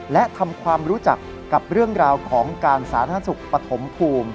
และทำความรู้จักกับเรื่องราวของการสาธารณสุขปฐมภูมิ